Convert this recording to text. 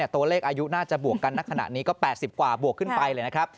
ตัวเลขอายุน่าจะบวกกันนักขณะนี้ก็๘๐กว่าบวกขึ้นไปเลยนะครับ